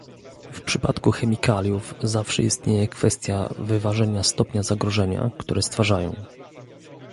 W przypadku chemikaliów zawsze istnieje kwestia wyważenia stopnia zagrożenia, które stwarzają